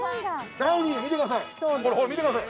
ダウニーを見てください